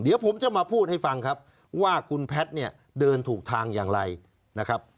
เดี๋ยวผมจะมาพูดให้ฟังครับว่าคุณแพทย์เนี่ยเดินถูกทางอย่างไรนะครับ